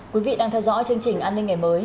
quý vị đang theo dõi chương trình an ninh ngày mới